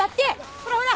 ほらほら！